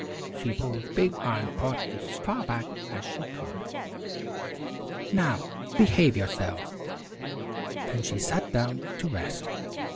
She pulled Big Iron Pot as far back as she could. "Now, behave yourselves!" Then she sat down to rest.